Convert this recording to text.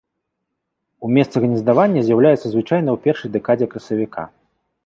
У месцах гнездавання з'яўляецца звычайна ў першай дэкадзе красавіка.